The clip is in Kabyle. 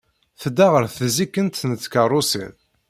Tedda ɣer tzikkent n tkeṛṛusin.